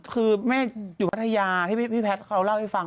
คือแม่อยู่พัทยาที่พี่แพทย์เขาเล่าให้ฟัง